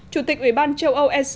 chủ tịch ủy ban châu âu sc